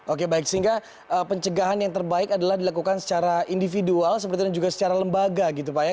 oke baik sehingga pencegahan yang terbaik adalah dilakukan secara individual seperti dan juga secara lembaga gitu pak ya